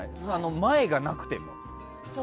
前がなくて。